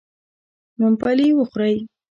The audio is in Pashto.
ممپلي و خورئ.